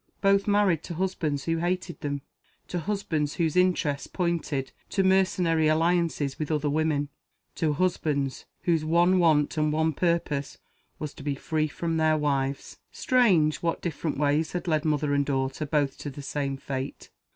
Both married to husbands who hated them; to husbands whose interests pointed to mercenary alliances with other women; to husbands whose one want and one purpose was to be free from their wives. Strange, what different ways had led mother and daughter both to the same fate!